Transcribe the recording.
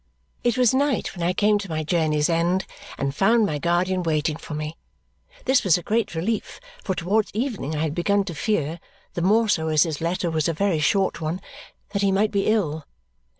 It was night when I came to my journey's end and found my guardian waiting for me. This was a great relief, for towards evening I had begun to fear (the more so as his letter was a very short one) that he might be ill.